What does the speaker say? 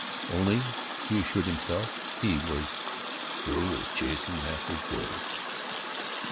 Only, he assured himself, he was "through with this chasing after girls."